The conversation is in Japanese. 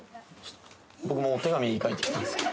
僕もお手紙書いてきたんですけど。